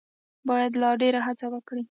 باید لا ډېره هڅه وکړي.